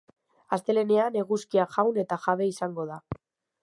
Astelehenean eguzkia jaun eta jabe izango da.